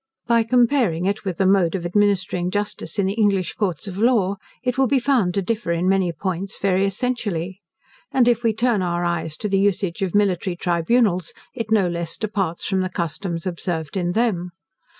By comparing it with the mode of administering justice in the English courts of law, it will be found to differ in many points very essentially. And if we turn our eyes to the usage of military tribunals, it no less departs from the customs observed in them.